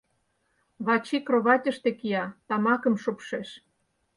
Вачи кроватьыште кия, тамакым шупшеш.